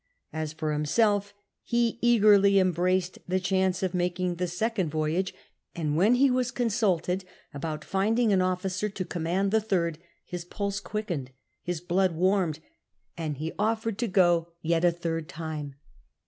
As for himself, he eagerly embraced the chance of making the second voyage, and wh6n he was consulted about find ing an officer to command the thinl his pulse quickened, his blood warmed, and ho offered to go yet a third time.